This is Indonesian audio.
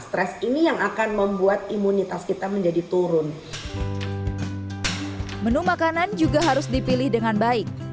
stres ini yang akan membuat imunitas kita menjadi turun menu makanan juga harus dipilih dengan baik